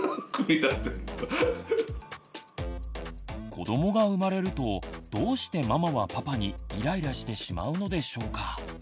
子どもが生まれるとどうしてママはパパにイライラしてしまうのでしょうか？